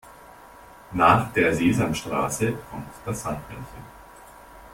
Nach der Sesamstraße kommt das Sandmännchen.